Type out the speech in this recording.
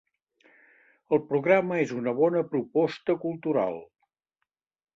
El programa és una bona proposta cultural.